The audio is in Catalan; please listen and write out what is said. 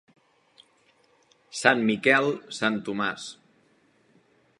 Sant Miquel, Sant Tomàs.